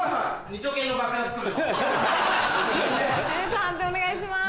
判定お願いします。